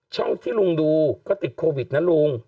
ที่ลุงดูก็ติดโควิดนะลุง